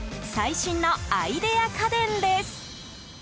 最新のアイデア家電です。